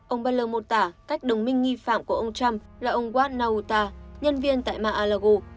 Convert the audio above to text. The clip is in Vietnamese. ông baller mô tả cách đồng minh nghi phạm của ông trump là ông juan nauta nhân viên tại mar a lago